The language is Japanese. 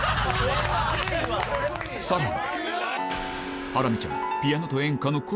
さらに